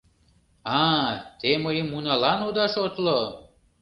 — А-а, те мыйым уналан ода шотло!